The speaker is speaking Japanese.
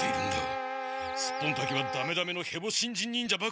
スッポンタケはダメダメのヘボ新人忍者ばかりではないか！